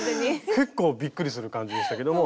結構びっくりする感じでしたけども。